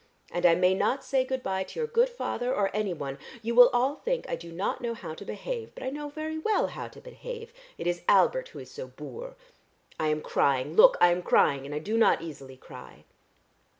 And I may not say good bye to your good father or anyone; you will all think I do not know how to behave, but I know very well how to behave; it is Albert who is so boor. I am crying, look, I am crying, and I do not easily cry.